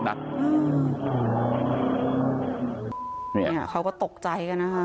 นัดเค้าก็ตกใจกันนะค่ะ